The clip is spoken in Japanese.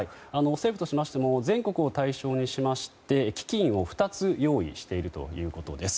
政府としましても全国を対象にしまして基金を２つ用意しているということです。